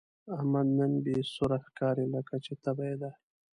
احمد نن بې سوره ښکاري، لکه چې تبه یې ده.